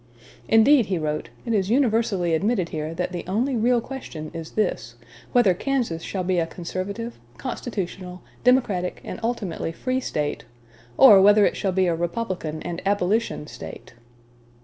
"Indeed," he wrote, "it is universally admitted here that the only real question is this: whether Kansas shall be a conservative, constitutional, Democratic, and ultimately free State, or whether it shall be a Republican and abolition State."